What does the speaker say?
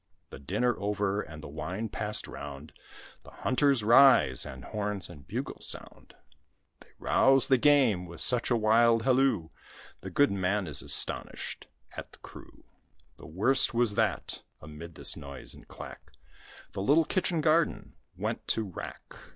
The dinner over, and the wine passed round, The hunters rise, and horns and bugles sound; They rouse the game with such a wild halloo, The good man is astonished at the crew; The worst was that, amid this noise and clack, The little kitchen garden went to wrack.